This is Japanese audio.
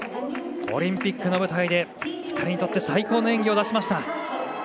オリンピックの舞台で２人にとって最高の演技を出しました。